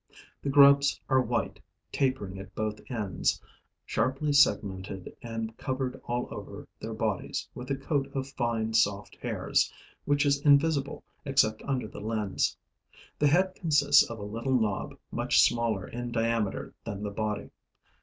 The grubs are white, tapering at both ends, sharply segmented and covered all over their bodies with a coat of fine, soft hairs which is invisible except under the lens. The head consists of a little knob much smaller in diameter than the body.